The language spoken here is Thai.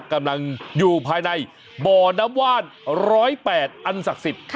กำลังอยู่ภายในบ่อน้ำว่าน๑๐๘อันศักดิ์สิทธิ์